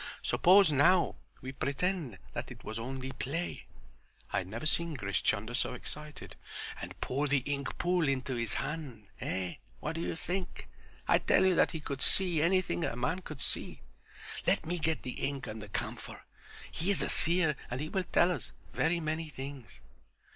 Suppose now we pretend that it was only play"—I had never seen Grish Chunder so excited—"and pour the ink pool into his hand. Eh, what do you think? I tell you that he could see anything that a man could see. Let me get the ink and the camphor. He is a seer and he will tell us very many things."